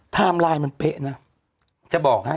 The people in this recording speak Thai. ไทม์ไลน์มันเป๊ะนะจะบอกนะ